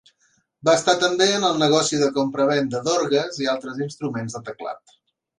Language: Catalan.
Va estar també en el negoci de compravenda d'orgues i altres instruments de teclat.